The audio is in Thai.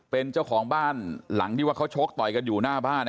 เป็นเจ้าของบ้านหลังที่ว่าเขาชกต่อยกันอยู่หน้าบ้าน